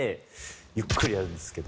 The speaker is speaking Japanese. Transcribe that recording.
ゆっくりやるんですけど。